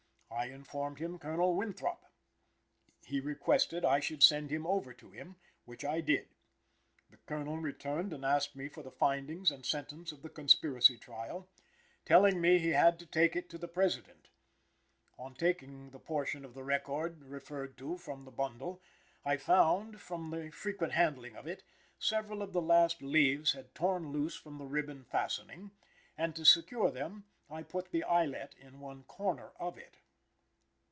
I informed him Colonel Winthrop. He requested I should send him over to him, which I did. The Colonel returned and asked me for the findings and sentence of the conspiracy trial, telling me he had to take it to the President. On taking the portion of the record referred to from the bundle, I found, from the frequent handling of it, several of the last leaves had torn loose from the ribbon fastening, and to secure them I put the eyelet in one corner of it."